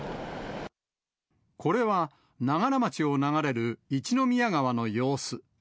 これは、長柄町を流れる一宮川の様子。